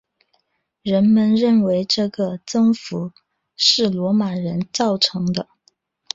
人们认为这个增幅是罗马人造成的。